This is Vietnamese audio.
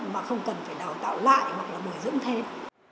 mà không cần phải đào tạo lại hoặc là bồi dưỡng thêm